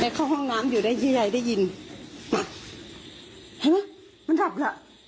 เข้าห้องน้ำอยู่ได้ที่ใดได้ยินมาเห็นไหมมันดับแล้ว